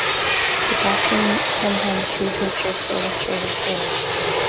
The "captain" sometimes drew pictures to illustrate his stories.